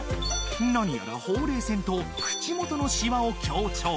何やらほうれい線と口元のシワを強調